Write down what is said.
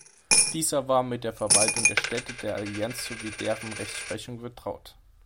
Dieser war mit der Verwaltung der Städte der Allianz sowie deren Rechtsprechung betraut.